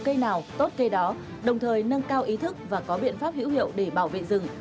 cây nào tốt cây đó đồng thời nâng cao ý thức và có biện pháp hữu hiệu để bảo vệ rừng